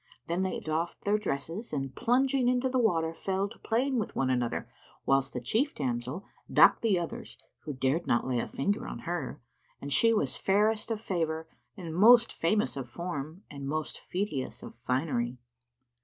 Then they doffed their dress and plunging into the water, fell to playing with one another, whilst the chief damsel ducked the others, who dared not lay a finger on her and she was fairest of favour and most famous of form and most feateous of finery.